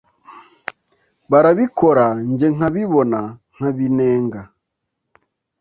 Barabikora njye nkabibona nkabinenga